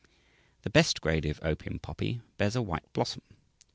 The best grade of opium poppy bears a white blossom.